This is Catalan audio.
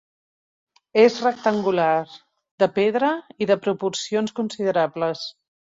És rectangular, de pedra, i de proporcions considerables.